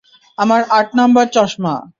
আমার আট নম্বর চশমা!